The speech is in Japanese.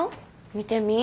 見てみ。